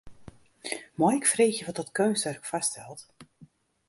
Mei ik freegje wat dat keunstwurk foarstelt?